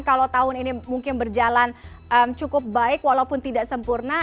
kalau tahun ini mungkin berjalan cukup baik walaupun tidak sempurna